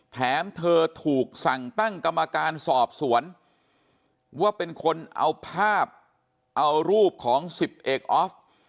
แถมเธอถูกสั่งตั้งกรรมการสอบสวนว่าเป็นคนเอาภาพเอารูปของสิบเอกออฟ